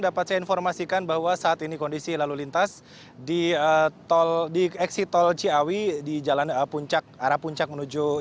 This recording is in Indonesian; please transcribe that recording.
saya dapat informasikan bahwa saat ini kondisi lalu lintas di eksit tol ciawi di arah puncak menuju jawa barat